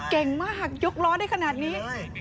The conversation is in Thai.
เก่งมากหักยกล้อได้ขนาดนี้